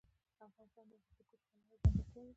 افغانستان د هندوکش پلوه ځانګړتیاوې لري.